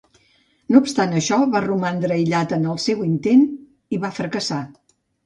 No obstant això, va romandre aïllat en el seu intent i va fracassar.